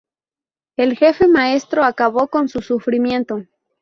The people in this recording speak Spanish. El jefe Maestro acabó con su sufrimiento.